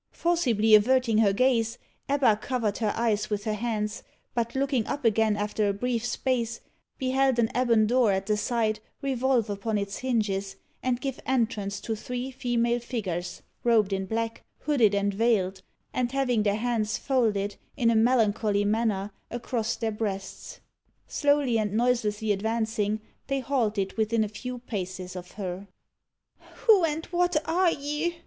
Forcibly averting her gaze, Ebba covered her eyes with her hands, but looking up again after a brief space, beheld an ebon door at the side revolve upon its hinges, and give entrance to three female figures, robed in black, hooded and veiled, and having their hands folded, in a melancholy manner, across their breasts. Slowly and noiselessly advancing, they halted within a few paces of her. "Who and what are ye?"